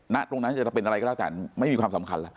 ณตรงนั้นจะเป็นอะไรก็แล้วแต่ไม่มีความสำคัญแล้ว